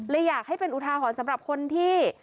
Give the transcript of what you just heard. อยากให้เป็นอุทาหรณ์สำหรับคนที่